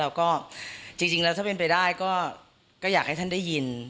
แล้วก็จริงแล้วถ้าเป็นไปได้ก็อยากให้ท่านได้ยิน